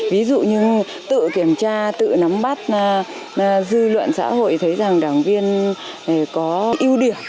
ví dụ như tự kiểm tra tự nắm bắt dư luận xã hội thấy rằng đảng viên có ưu điểm